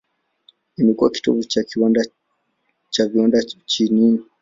Imekuwa kitovu cha viwanda nchini.